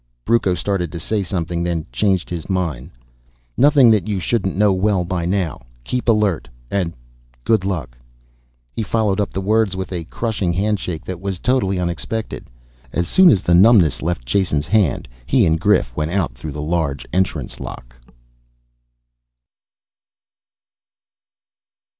Brucco started to say something, then changed his mind. "Nothing that you shouldn't know well by now. Keep alert. And ... good luck." He followed up the words with a crushing handshake that was totally unexpected. As soon as the numbness left Jason's hand, he and Grif went out through the large entrance lock.